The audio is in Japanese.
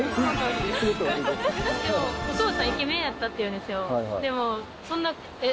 でも、お父さんイケメンやったって言うんですよ、でも、そんな、えっ？